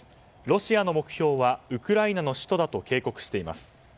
ロシアの目標はウクライナの首都だと警告しています。